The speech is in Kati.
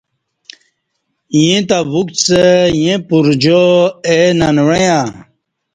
ییں تہ وکڅہ ییں پرجا اے ننوعݩہ